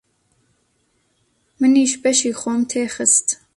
منیش بەشی خۆم تێ خست.